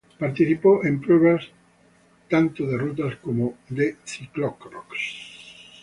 Participó en pruebas tanto de ruta como de ciclocrós.